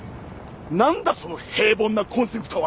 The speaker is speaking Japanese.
何だその平凡なコンセプトは！